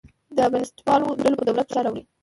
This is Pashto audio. بنسټپالو ډلو پر دولت فشار راوړی.